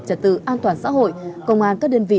trật tự an toàn xã hội công an các đơn vị